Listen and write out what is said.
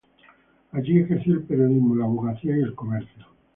Allí ejerció el periodismo, la abogacía y el comercio.